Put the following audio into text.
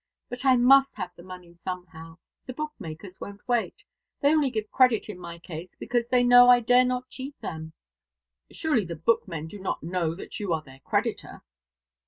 But I must have the money somehow. The bookmakers won't wait. They only give credit in my case because they know I dare not cheat them." "Surely the bookmen do not know that you are their creditor?"